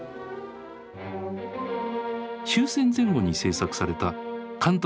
終戦前後に製作された監督